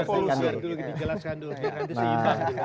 evolusi harus digelaskan dulu